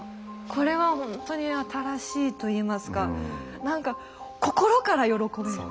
これはほんとに新しいといいますか何か心から喜べる。